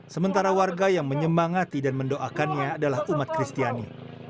sementara warga yang menyemangati dan mendoakannya adalah umat kristiani